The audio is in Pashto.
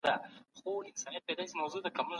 اقتصاد پوهانو د پرمختيا په اړه څيړني کولې.